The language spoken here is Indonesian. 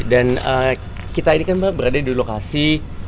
dan kita ini kan berada di lokasi